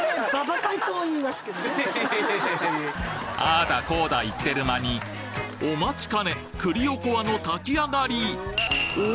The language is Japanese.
あだこだ言ってる間にお待ちかね栗おこわの炊きあがりお！